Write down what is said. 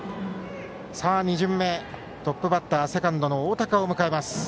２巡目、トップバッターセカンドの大高を迎えます。